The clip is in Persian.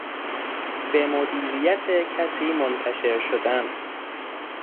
به مدیریت کسی منتشر شدن